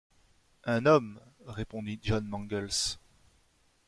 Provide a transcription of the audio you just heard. Un homme, » répondit John Mangles.